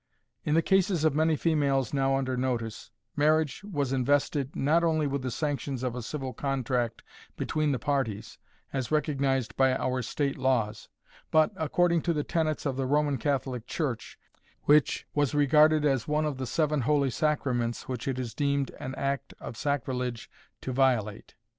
In the cases of many females now under notice, marriage was invested not only with the sanctions of a civil contract between the parties, as recognized by our state laws, but, according to the tenets of the Roman Catholic Church, was regarded as one of the seven holy sacraments which it is deemed an act of sacrilege to violate.